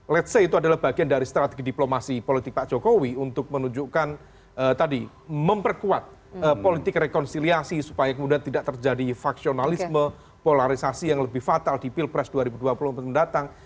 ⁇ lets ⁇ say itu adalah bagian dari strategi diplomasi politik pak jokowi untuk menunjukkan tadi memperkuat politik rekonsiliasi supaya kemudian tidak terjadi faksionalisme polarisasi yang lebih fatal di pilpres dua ribu dua puluh empat mendatang